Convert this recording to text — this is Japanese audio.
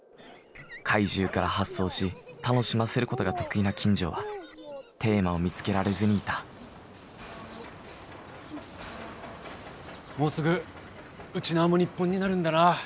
怪獣から発想し楽しませることが得意な金城はテーマを見つけられずにいたもうすぐウチナーも日本になるんだなあ。